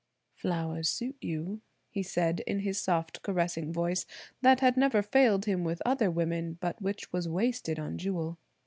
"Flowers suit you," he said in his soft caressing voice, that had never failed him with other women, but which was wasted on Jewel.